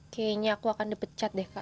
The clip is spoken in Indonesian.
kayaknya aku akan dipecat deh kak